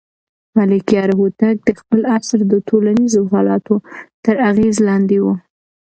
ملکیار هوتک د خپل عصر د ټولنیزو حالاتو تر اغېز لاندې و.